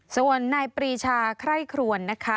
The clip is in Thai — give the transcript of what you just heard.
ส่วนนายปรีชาไคร่ครวนนะคะ